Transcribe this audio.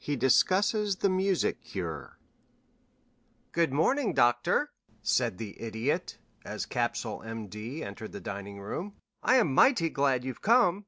XIII HE DISCUSSES THE MUSIC CURE "Good morning, Doctor," said the Idiot, as Capsule, M.D., entered the dining room, "I am mighty glad you've come.